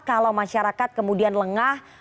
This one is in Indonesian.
kalau masyarakat kemudian lengah